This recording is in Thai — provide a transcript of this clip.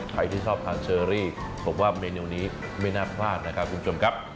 ใครที่ชอบทานเชอรี่ผมว่าเมนูนี้ไม่น่าพลาดนะครับคุณผู้ชมครับ